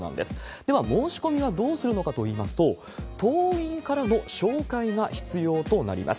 では、申し込みはどうするのかといいますと、党員からの紹介が必要となります。